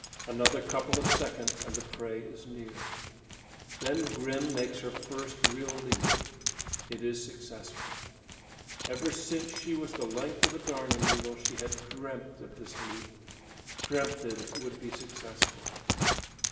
Another couple of seconds and the prey is near. Then Grim makes her first real leap. It is successful. Ever since she was the length of a darning needle, she had dreamt of this leap, dreamt that it would be successful.